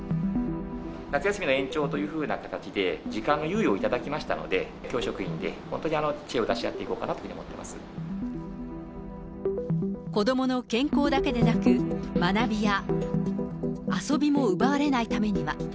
夏休みの延長というふうな形で、時間の猶予を頂きましたので、教職員で本当に知恵を出し合っていこうかなというふうに思ってま子どもの健康だけでなく、学びや遊びも奪われないためには。